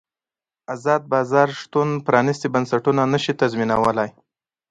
ازاد بازار شتون پرانیستي بنسټونه نه شي تضمینولی.